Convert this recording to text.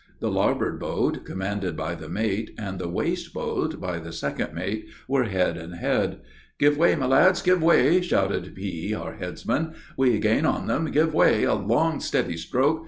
The larboard boat, commanded by the mate, and the waist boat, by the second mate, were head and head. "Give way, my lads, give way!" shouted P , our headsman; "we gain on them; give way! A long, steady stroke!